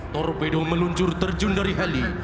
torpedo meluncur terjun dari heli